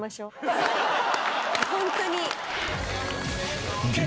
ホントに。